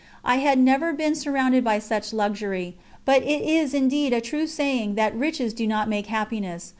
I had never been surrounded by such luxury, but it is indeed a true saying that riches do not make happiness.